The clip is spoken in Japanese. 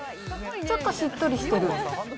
ちょっとしっとりしてる。